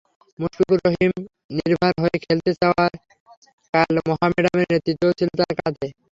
মুশফিকুর রহিম নির্ভার হয়ে খেলতে চাওয়ায় কাল মোহামেডানের নেতৃত্বও ছিল তাঁর কাঁধে।